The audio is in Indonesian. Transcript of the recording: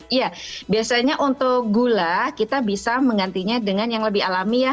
iya biasanya untuk gula kita bisa menggantinya dengan yang lebih alami ya